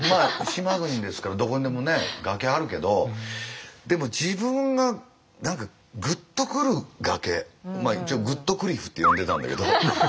島国ですからどこにでも崖あるけどでも自分が何かグッとくる崖一応グットクリフって呼んでたんだけど。